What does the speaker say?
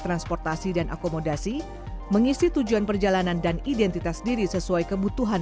transportasi dan akomodasi mengisi tujuan perjalanan dan identitas diri sesuai kebutuhan